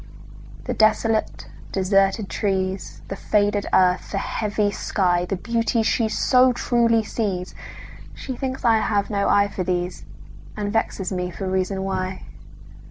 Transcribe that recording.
The desolate, deserted trees, The faded earth, the heavy sky, The beauties she so truly sees, She thinks I have no eye for these, And vexes me for reason why.